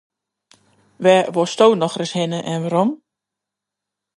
Wêr wolsto nochris hinne en wêrom?